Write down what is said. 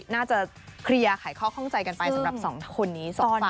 น่าจะเคลียร์ขายข้อข้องใจกันไปสำหรับสองคนนี้สองฝ่าย